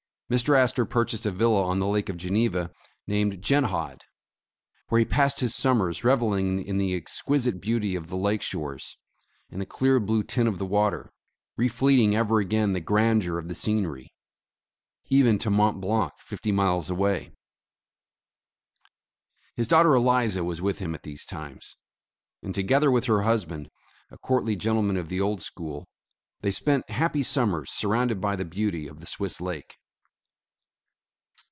Mr. Astor purchased a villa on the Lake of Geneva named Genthod, where he passed his summers reveling in the exquisite beauty of the lake shores, and the clear blue tint of the water, re flecting over again the grandeur of the scenery even to Mont Blanc, fifty miles away. His daughter Eliza was with him at these times, and together with her husband, a courtly gentleman of the old school, they spent happy summers surrounded by the beauty of the Swiss Lake.